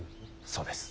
そうです。